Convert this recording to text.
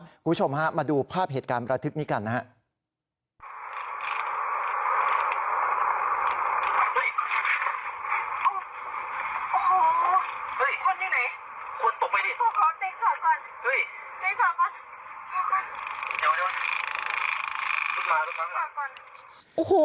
คุณผู้ชมฮะมาดูภาพเหตุการณ์ประทึกนี้กันนะครับ